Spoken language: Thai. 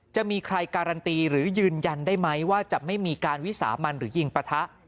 จะมีใครการันตีหรือยืนยันได้ไหมว่าจะไม่มีการวิสามันหรือยิงปะทะ